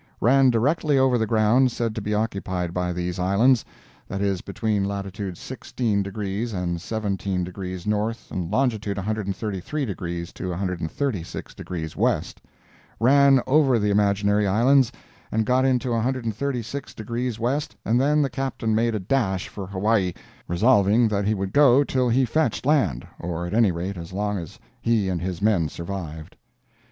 Ran directly over the ground said to be occupied by these islands—that is between latitude 16 degrees and 17 degrees north and longitude 133 degrees to 136 degrees west. Ran over the imaginary islands and got into 136 degrees west, and then the Captain made a dash for Hawaii, resolving that he would go till he fetched land, or at any rate as long as he and his men survived.